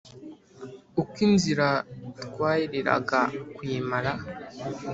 uko inzira twayiriraga kuyimara,